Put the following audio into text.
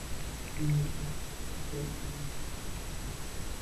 সে এক কি উৎসবের দিনই গিয়াছে!